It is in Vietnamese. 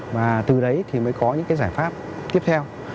và từ đấy thì mới có những cái giải pháp tiếp theo